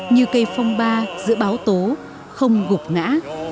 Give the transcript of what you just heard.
như cây phong ba giữa báo tố không gục ngã